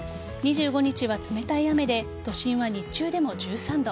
２５日は冷たい雨で都心は日中でも１３度。